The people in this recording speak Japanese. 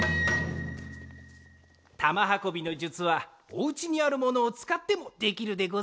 玉はこびの術はお家にあるものをつかってもできるでござるぞ。